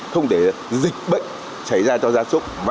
không để dịch bệnh chảy ra cho gia súc